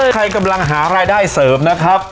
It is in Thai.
ใครกำลังหารายได้เสริมนะครับ